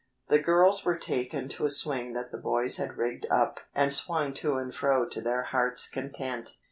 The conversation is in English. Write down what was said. The girls were taken to a swing that the boys had rigged up and swung to and fro to their hearts' content.